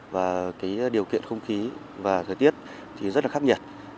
và điều kiện không khí và thời tiết rất là khắc nhật